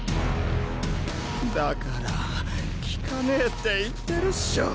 だから効かねえって言ってるっショ。